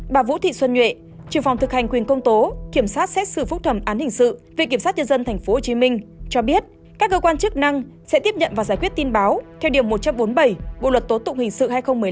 bà vũ thị xuân nhuệ trừ phòng thực hành quyền công tố kiểm soát xét xử phúc thẩm án hình sự viện kiểm sát nhân dân tp hcm cho biết các cơ quan chức năng sẽ tiếp nhận và giải quyết tin báo theo điều một trăm bốn mươi bảy bộ luật tố tụng hình sự hai nghìn một mươi năm